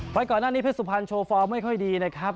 ก่อนหน้านี้เพชรสุพรรณโชว์ฟอร์มไม่ค่อยดีนะครับ